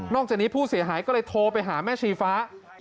จากนี้ผู้เสียหายก็เลยโทรไปหาแม่ชีฟ้า